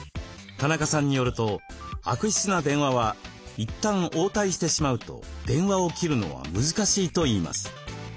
田中さんによると悪質な電話はいったん応対してしまうと電話を切るのは難しいといいます。